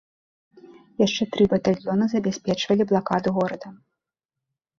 Яшчэ тры батальёна забяспечвалі блакаду горада.